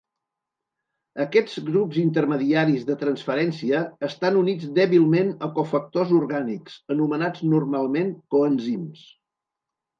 Aquests grups intermediaris de transferència estan units dèbilment a cofactors orgànics, anomenats normalment coenzims.